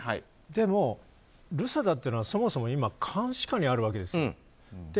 でも、ＲＵＳＡＤＡというのはそもそも今監視下にあるわけです。